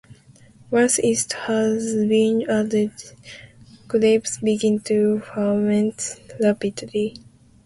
Once yeast has been added, grapes begin to ferment rapidly.